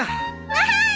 わい！